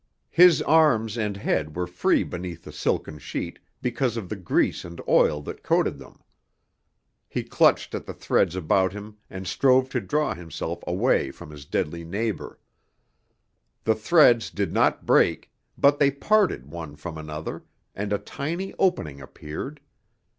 His arms and head were free beneath the silken sheet because of the grease and oil that coated them. He clutched at the threads about him and strove to draw himself away from his deadly neighbor. The threads did not break, but they parted one from another, and a tiny opening appeared.